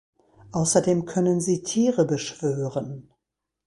Außerdem können sie Tiere beschwören.